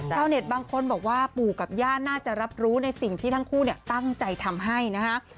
เน็ตบางคนบอกว่าปู่กับย่าน่าจะรับรู้ในสิ่งที่ทั้งคู่ตั้งใจทำให้นะฮะ